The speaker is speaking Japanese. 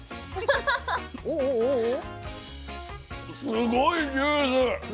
すごいジュース！